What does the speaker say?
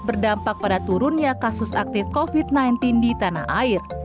berdampak pada turunnya kasus aktif covid sembilan belas di tanah air